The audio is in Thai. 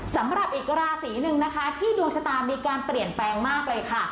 สำหรับอีกราศีหนึ่งนะคะที่ดวงชะตามีการเปลี่ยนแปลงมากเลยค่ะ